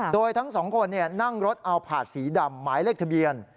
โดยทั้งสองคนนั่งรถเอาผาดสีดำหมายเลขทะเบียน